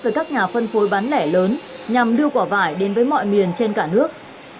với các nhà phân phối bán lẻ lớn nhằm đưa quả vải đến với mọi miền trên cả nước